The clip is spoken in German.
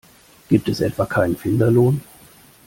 Gibt es etwa keinen Finderlohn?